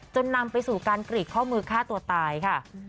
นำไปสู่การกรีดข้อมือฆ่าตัวตายค่ะ